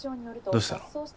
どうしたの？